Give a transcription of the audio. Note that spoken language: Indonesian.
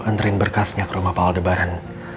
ngerin berkasnya ke rumah pak aldebaran